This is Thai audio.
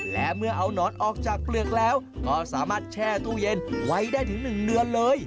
และเมื่อเอานอนออกจากเปลือกแล้วก็สามารถแช่ตู้เย็นไว้ได้ถึง๑เดือนเลย